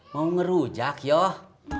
mau ngerujak yoh